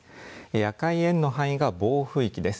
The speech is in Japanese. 赤い円の範囲が暴風域です。